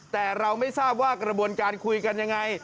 แต่เราไม่ทราบว่ากระบวนการคุยกันยังไง